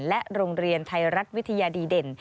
และโรงเรียนไทยรัฐวิทยาดีเด่น